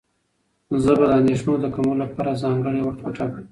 زه به د اندېښنو د کمولو لپاره ځانګړی وخت وټاکم.